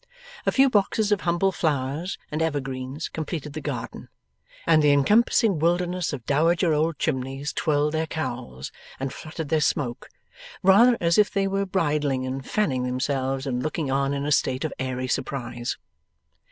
A few boxes of humble flowers and evergreens completed the garden; and the encompassing wilderness of dowager old chimneys twirled their cowls and fluttered their smoke, rather as if they were bridling, and fanning themselves, and looking on in a state of airy surprise.